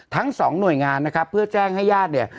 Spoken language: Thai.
ทั้งสองหน่วยงานนะครับเพื่อแจ้งให้ญาติเนี่ย